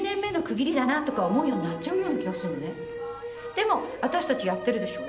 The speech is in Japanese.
でも私たちやってるでしょう？